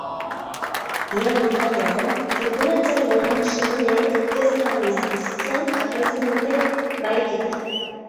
Bien bitartean, tripulatzaileen senideek kezka handiz bizitzen jarraitzen dute bahiketa.